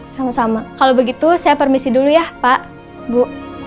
sama sama kalau begitu saya permisi dulu ya pak bu